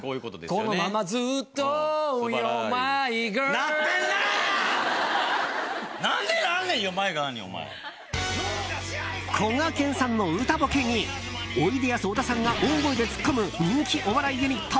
こがけんさんの歌ボケにおいでやす小田さんが大声でツッコむ人気お笑いユニット